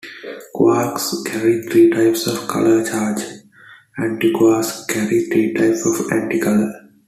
Quarks carry three types of color charge; antiquarks carry three types of anticolor.